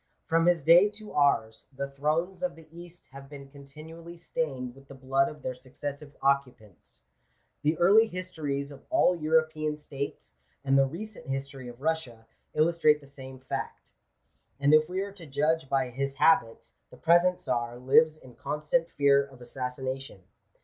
From his day to ours, the thrones of the East have been continually stained with the blood of their successive occupants. The early histories of all European states, and the recent history of Russia, illustrate the same fact; and if we are to judge by his habits, the present Czar lives in constant fear of assassination.